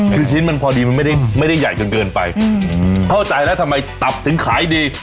คือชิ้นมันพอดีมันไม่ได้ใหญ่จนเกินไปเข้าใจแล้วทำไมตับถึงขายดี